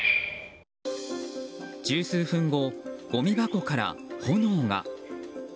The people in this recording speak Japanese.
十数分後、ごみ箱から炎が。